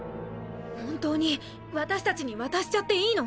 本当に私達に渡しちゃっていいの？